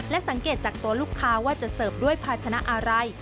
สังเกตจากตัวลูกค้าว่าจะเสิร์ฟด้วยภาชนะอะไร